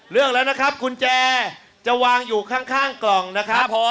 เลือกแล้วนะครับกุญแจจะวางอยู่ข้างกล่องนะครับผม